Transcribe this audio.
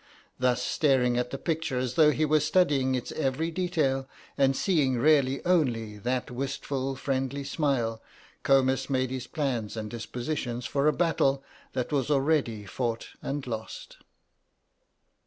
Thus, staring at the picture as though he were studying its every detail, and seeing really only that wistful friendly smile, Comus made his plans and dispositions for a battle that was already fought and lost.